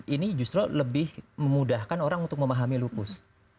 ini justru lebih memudahkan orang untuk memahami lupus